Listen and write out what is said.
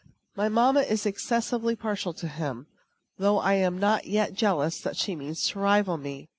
My mamma is excessively partial to him, though I am not yet jealous that she means to rival me.